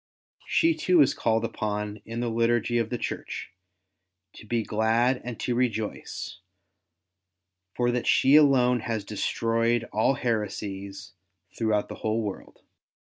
She too is called upon in the liturgy of the Church, to be glad and to rejoice, for that She alone has destroyed all heresies throughout the whole world.